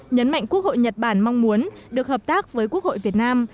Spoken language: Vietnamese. nhấn mạnh quốc hội nhật bản mong muốn được hợp tác với quốc hội việt nam